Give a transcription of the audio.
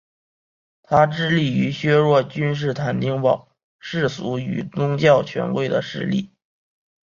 他致力于削弱君士坦丁堡世俗与宗教权贵的势力。